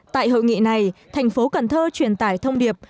tại hội nghị này thành phố cần thơ truyền tải thông điệp